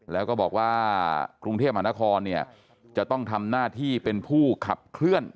แล้วก็บอกว่ากรุงเทพมหานครจะต้องทำหน้าที่เป็นผู้ขับเคลื่อน